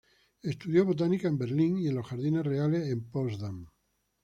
Estudió botánica en Berlín y en los Jardines Reales en Potsdam.